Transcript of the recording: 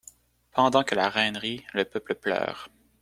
Pendant que La Reine rit, le peuple pleure.